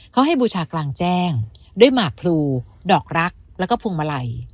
เขาให้บูชากลางแจ้งด้วยหมากพลูดอกรักแล้วก็พวงมาลัย